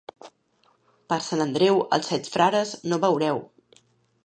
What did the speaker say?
Per Sant Andreu, els set frares no veureu.